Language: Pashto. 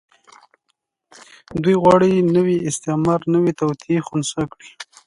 دوی غواړي د نوي استعمار نوې توطيې خنثی کړي.